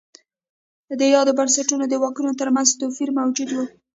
د یادو بنسټونو د واکونو ترمنځ توپیر موجود و.